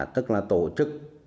tức là tổ chức